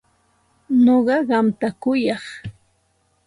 Nuqa qamta kuyaq.